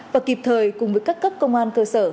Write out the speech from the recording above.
và kịp thời cùng với các cấp công an cơ sở